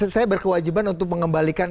saya berkewajiban untuk mengembalikan